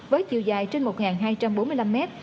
với chiều dài trên một hai trăm bốn mươi năm m